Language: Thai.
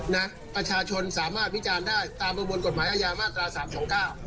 นะประชาชนสามารถวิจารณ์ได้ตามประมวลกฎหมายอาญามาตราสามสองเก้า